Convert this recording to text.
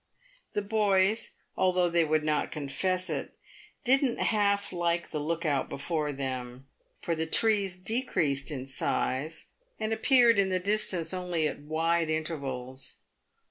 The boys, although they would not con fess it, didn't half like the look out before them, for the trees de creased in size, and appeared, in the distance, only at wide intervals.